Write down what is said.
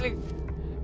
bu ustadz orangnya baik